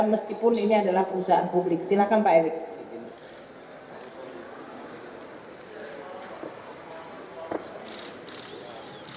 meskipun ini adalah perusahaan publik silakan pak erick